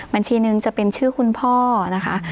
บัญชีหนึ่งจะเป็นชื่อคุณพ่อนะคะ